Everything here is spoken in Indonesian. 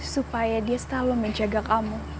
supaya dia selalu menjaga kamu